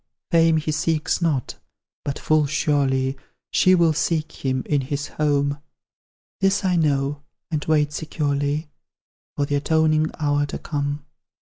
Fame he seeks not but full surely She will seek him, in his home; This I know, and wait securely For the atoning hour to come.